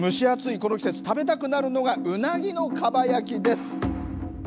この季節食べたくなるのがうなぎのかば焼きです。